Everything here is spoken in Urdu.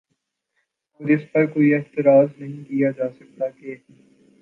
اور اس پر کوئی اعتراض نہیں کیا جا سکتا کہ